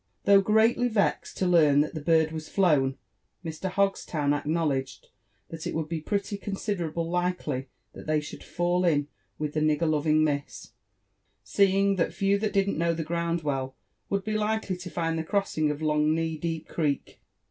Though greatly vexed to learn that the bird was flown, Mr. Hogs town acknowledged that it would be pretty considerable likely that they should fall in with the nigger loving miss, seeing that few that did*nt know the ground well would be likely to find the crossing of Long knee deep creek.